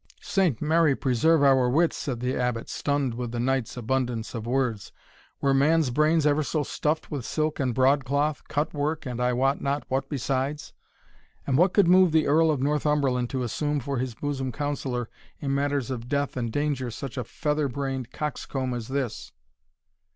"Saint Mary preserve our wits!" said the Abbot, stunned with the knight's abundance of words; "were man's brains ever so stuffed with silk and broadcloth, cut work, and I wot not what besides! And what could move the Earl of Northumberland to assume for his bosom counsellor, in matters of death and danger, such a feather brained coxcomb as this?"